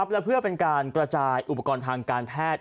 และเพื่อเป็นการกระจายอุปกรณ์ทางการแพทย์